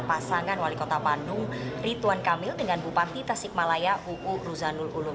pasangan wali kota bandung ridwan kamil dengan bupati tasikmalaya uu ruzanul ulum